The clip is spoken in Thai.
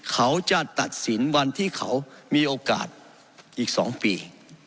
เขาจะตัดสินวันที่เขามีโอกาสอีก๒ปี